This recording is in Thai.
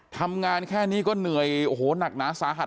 ทำงานแค่นี้ก็เหนื่อยโอ้โหหนักหนาสาหัส